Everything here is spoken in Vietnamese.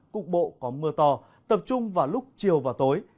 cục bộ có mưa to tập trung vào lúc chiều và tối